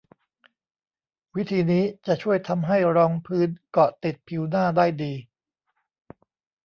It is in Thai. วิธีนี้จะช่วยทำให้รองพื้นเกาะติดผิวหน้าได้ดี